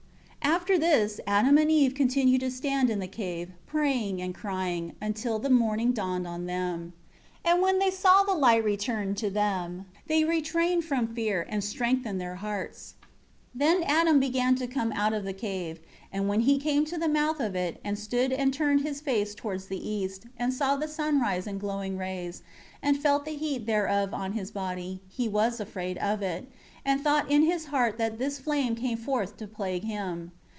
1 After this, Adam and Eve continued to stand in the cave, praying and crying, until the morning dawned on them. 2 And when they saw the light returned to them, they retrained from fear, and strengthened their hearts. 3 Then Adam began to come out of the cave. And when he came to the mouth of it, and stood and turned his face towards the east, and saw the sunrise in glowing rays, and felt the heat thereof on his body, he was afraid of it, and thought in his heart that this flame came forth to plague him.